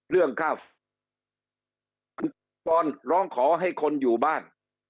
เรื่องครับคุณปอนร้องขอให้คนอยู่บ้าน